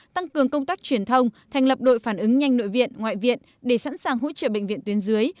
tăng cường công tác truyền thông thành lập đội phản ứng nhanh nội viện ngoại viện để sẵn sàng hỗ trợ bệnh viện tuyến dưới